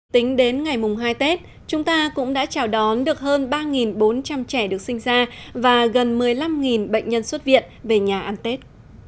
tính đến ngày mùng hai tết chúng ta cũng đã chào đón được hơn ba bốn trăm linh trẻ được sinh ra và gần một mươi năm bệnh nhân xuất viện về nhà ăn tết